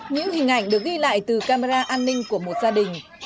những hình ảnh được ghi lại từ camera an ninh của một gia đình